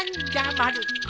まる子。